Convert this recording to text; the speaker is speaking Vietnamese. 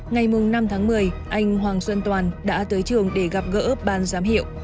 ngày năm tháng một mươi anh hoàng xuân toàn đã tới trường để gặp gỡ ban giám hiệu